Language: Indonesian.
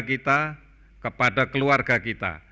bahwa kemas kesehatan kita